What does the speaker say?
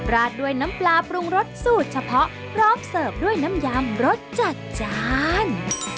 ราดด้วยน้ำปลาปรุงรสสูตรเฉพาะพร้อมเสิร์ฟด้วยน้ำยำรสจัดจาน